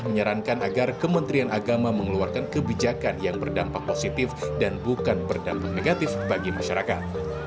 menyarankan agar kementerian agama mengeluarkan kebijakan yang berdampak positif dan bukan berdampak negatif bagi masyarakat